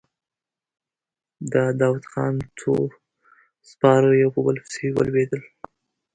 د داوودخان څو سپاره يو په بل پسې ولوېدل.